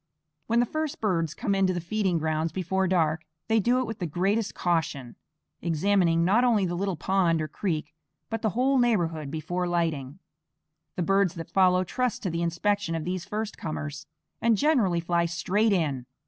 When the first birds come in to the feeding grounds before dark, they do it with the greatest caution, examining not only the little pond or creek, but the whole neighborhood before lighting. The birds that follow trust to the inspection of these first comers, and generally fly straight in.